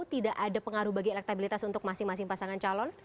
tidak ada pengaruh bagi elektabilitas untuk masing masing pasangan calon